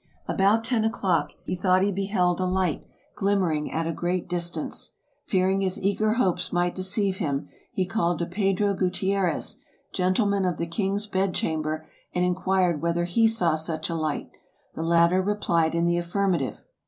About ten o'clock, he thought he beheld a light glimmering at a great distance. Fearing his eager hopes might deceive him, he called to Pedro Gutierrez, gentleman of the king's bed chamber, and inquired whether he saw such a light; the latter replied in the affirmative.